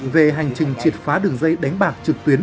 về hành trình triệt phá đường dây đánh bạc trực tuyến